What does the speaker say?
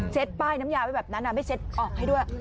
เช็ดป้ายน้ำยาไว้แบบนั้นนำให้เช็ดออกให้ด้วย